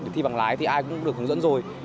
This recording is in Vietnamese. thì bằng lái thì ai cũng được hướng dẫn rồi